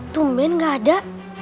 tumben gak ada